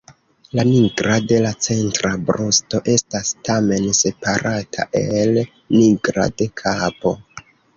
La nigra de la centra brusto estas tamen separata el nigra de kapo.